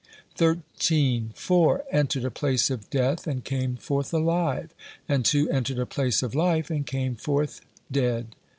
(45) 13. "Four entered a place of death and came forth alive, and two entered a place of life and came forth dead?"